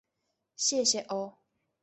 谢谢哦